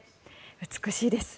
美しいです。